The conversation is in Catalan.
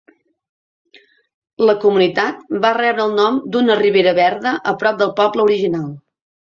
La comunitat va rebre el nom d"una ribera verda a prop del poble original.